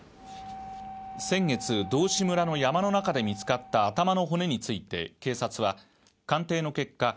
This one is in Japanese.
先月道志村の山の中で見つかった頭の骨について警察は鑑定の結果